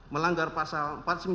melanggar pasal empat puluh sembilan